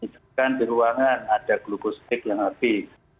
dan di ruangan ada glukostik yang habis